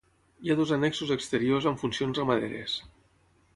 Hi ha dos annexos exteriors amb funcions ramaderes.